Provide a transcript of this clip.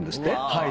はい。